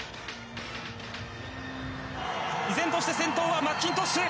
依然として先頭はマッキントッシュ！